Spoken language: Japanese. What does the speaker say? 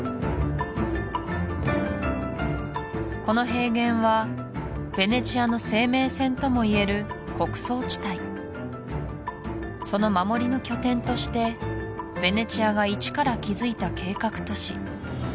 この平原はヴェネツィアの生命線ともいえる穀倉地帯その守りの拠点としてヴェネツィアが一から築いた計画都市